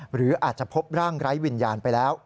หรืออาจจะพบร่างไร้วิญญาณไปแล้ว